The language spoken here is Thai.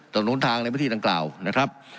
หนุนทางในพื้นที่ดังกล่าวนะครับ